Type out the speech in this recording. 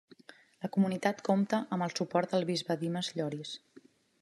La comunitat compta amb el suport del bisbe Dimes Lloris.